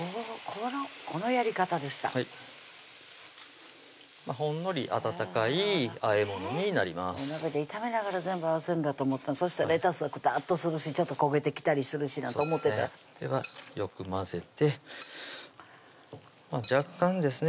このやり方でしたほんのり温かい和えものになりますお鍋で炒めながら全部合わせるんだと思ったそしたらレタスがクタッとするしちょっと焦げてきたりするしなんて思ってたではよく混ぜて若干ですね